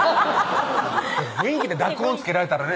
雰囲気で濁音付けられたらね